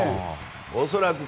恐らく。